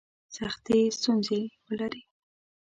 سختي ستونزي ولري.